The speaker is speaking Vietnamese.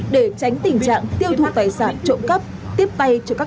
để tránh tình trạng tiêu diệt